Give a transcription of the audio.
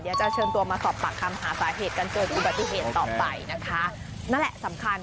เดี๋ยวจะเชิญตัวมาสอบปากคำหาสาเหตุการเกิดอุบัติเหตุต่อไปนะคะนั่นแหละสำคัญ